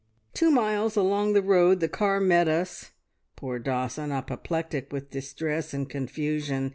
"Two miles along the road the car met us, poor Dawson apoplectic with distress and confusion.